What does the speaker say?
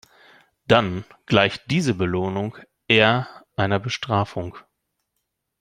Dann gleicht diese Belohnung eher einer Bestrafung.